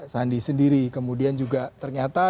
sandi sendiri kemudian juga ternyata